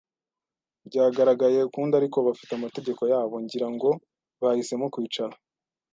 byagaragaye ukundi; ariko bafite amategeko yabo, ngira ngo bahisemo kwicara